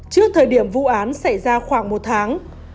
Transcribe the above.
trước thời điểm vụ án xảy ra khoảng một tháng